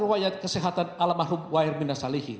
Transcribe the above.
ruwayat kesehatan almarhum wain mirna salihin